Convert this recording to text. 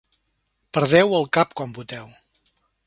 Perdeu el cap quan voteu.